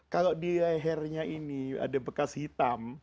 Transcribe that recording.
kalau di lehernya ini ada bekas hitam